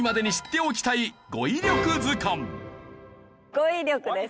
語彙力です。